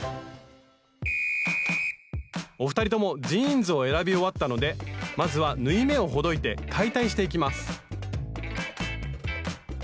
お二人ともジーンズを選び終わったのでまずは縫い目をほどいて解体していきます